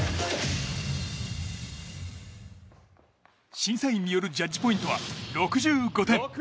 審査員によるジャッジポイントは６５点。